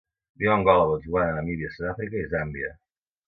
Viu a Angola, Botswana, Namíbia, Sud-àfrica i Zàmbia.